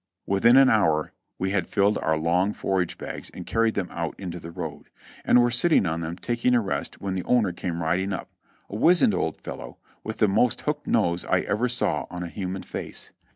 Within an hour we had filled our long forage bags and carried them out into the road, and were sitting on them taking a rest when the owner came riding up — a wizened old fellow, with the most hooked nose I ever saw on a human face.